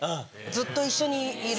ずっと一緒にいる。